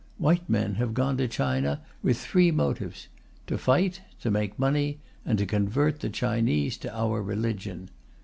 White men have gone to China with three motives: to fight, to make money, and to convert the Chinese to our religion.